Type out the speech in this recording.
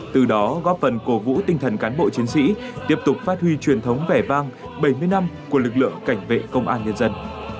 từ đó góp phần cổ vũ tinh thần cán bộ chiến sĩ tiếp tục phát huy truyền thống vẻ vang bảy mươi năm của lực lượng cảnh vệ công an nhân dân